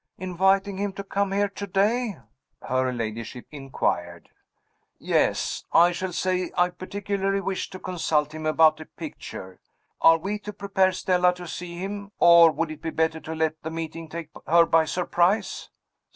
"Inviting him to come here to day?" her ladyship inquired. "Yes. I shall say I particularly wish to consult him about a picture. Are we to prepare Stella to see him? or would it be better to let the meeting take her by surprise?"